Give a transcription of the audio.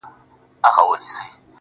دعا ، دعا ،دعا ، دعا كومه.